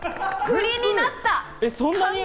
振りになった。